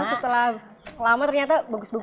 setelah lama ternyata bagus bagus